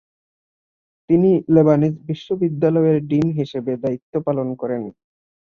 তিনি লেবানিজ বিশ্ববিদ্যালয়ের ডিন হিসেবে দায়িত্ব পালন করেন।